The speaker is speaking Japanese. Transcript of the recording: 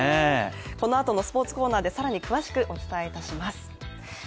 このあとのスポーツコーナーで更に詳しくお伝えします。